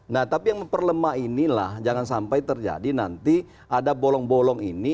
nah tapi yang memperlemah inilah jangan sampai terjadi nanti ada bolong bolong ini